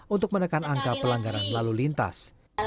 untuk menekan angka pelanggaran lalu lintas